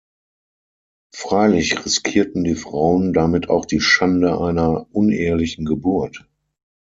Freilich riskierten die Frauen damit auch die Schande einer unehelichen Geburt.